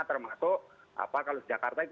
termasuk kalau di jakarta itu